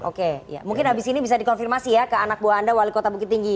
oke ya mungkin habis ini bisa dikonfirmasi ya ke anak buah anda wali kota bukit tinggi